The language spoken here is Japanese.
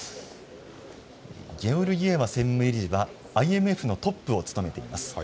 ゲオルギエワ専務理事はＩＭＦのトップを務めています。